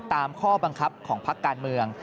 ตามข้อบังคับของพักการเมือง